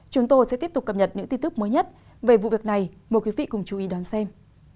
chúng tôi sẽ tiếp tục cập nhật những tin tức mới nhất về vụ việc này mời quý vị cùng chú ý đón xem